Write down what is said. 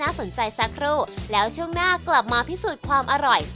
สนใจสักครู่แล้วช่วงหน้ากลับมาพิสูจน์ความอร่อย